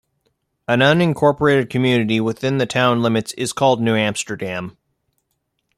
An unincorporated community within the town limits is called New Amsterdam.